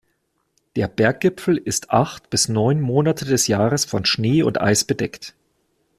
Der Berggipfel ist acht bis neun Monate des Jahres von Schnee und Eis bedeckt.